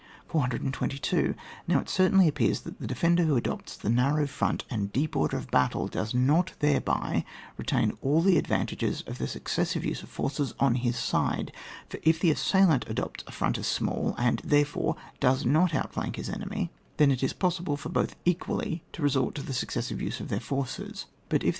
422. Now, it certainly appears that the defender who adopts the narrow front and deep order of battle, does not thereby retain all the advantages of the successive use of forces on his side : for if the assailant adopts a front as small, and, therefore, does not outflank his enemy, then it is possible for both equally to resort t<i the successive use of their forces; but if the GUIDE TO TACTICS, OR THE THEORY OF TEE COMBAT.